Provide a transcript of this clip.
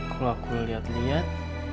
kalau aku liat liat